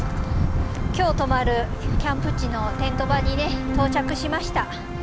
今日泊まるキャンプ地のテント場にね到着しました。